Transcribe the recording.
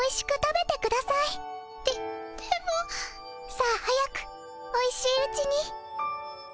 さあ早くおいしいうちに。